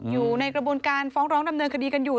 อยู่ในกระบวนการฟ้องร้องดำเนินคดีกันอยู่